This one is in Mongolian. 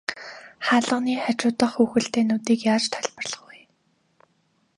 Хаалганы хажуу дахь хүүхэлдэйнүүдийг яаж тайлбарлах вэ?